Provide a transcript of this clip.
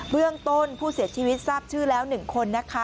เรื่องต้นผู้เสียชีวิตทราบชื่อแล้ว๑คนนะคะ